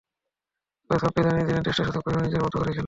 তবে সাব্বির জানিয়ে দিলেন, টেস্টে সুযোগ পেলেও নিজের মতো করেই খেলবেন।